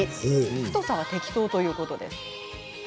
太さは適当ということです。